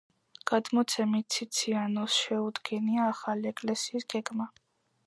გადმოცემით ციციანოვს შეუდგენია ახალი ეკლესიის გეგმა.